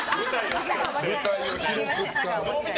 舞台を広く使って。